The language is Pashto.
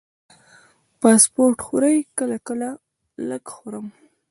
فاسټ فوډ خورئ؟ کله کله، لږ خورم